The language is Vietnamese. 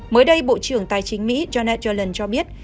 mới đây bộ trưởng tài chính mỹ janet yellen cho biết